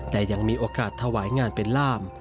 แต่ยังมีโอกาสถวายงานเป็นล่าม